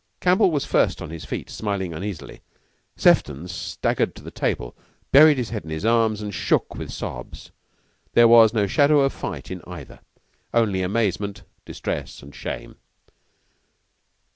Campbell was first on his feet, smiling uneasily. Sefton staggered to the table, buried his head in his arms, and shook with sobs. There was no shadow of fight in either only amazement, distress, and shame.